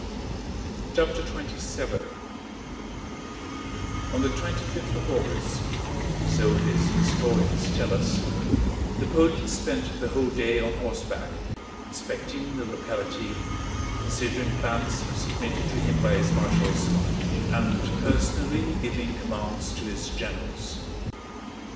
CHAPTER XXVII On the twenty fifth of August, so his historians tell us, Napoleon spent the whole day on horseback inspecting the locality, considering plans submitted to him by his marshals, and personally giving commands to his generals.